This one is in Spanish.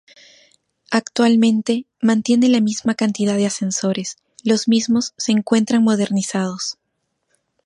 Actualmente mantiene la misma cantidad de ascensores, los mismos se encuentran modernizados.